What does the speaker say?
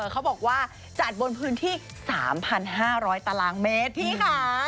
เขาบอกว่าจัดบนพื้นที่๓๕๐๐ตารางเมตรพี่ค่ะ